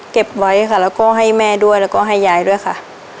เก็บไว้ค่ะแล้วก็ให้แม่ด้วยแล้วก็ให้ยายด้วยค่ะ